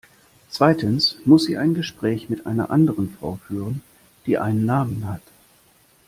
Zweitens muss sie ein Gespräch mit einer anderen Frau führen, die einen Namen hat.